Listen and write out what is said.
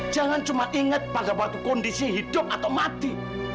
jangan cuma ingat pada waktu kondisi hidup atau mati